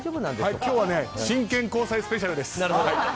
今日は真剣交際スペシャルです。